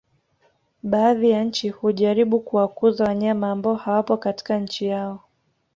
Baadhi ya nchi hujaribu kuwakuza wanyama ambao hawapo katika nchi yao